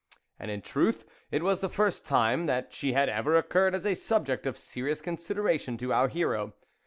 And, in truth, it was the first time that she had ever occurred as a subject of serious consideration to our hero.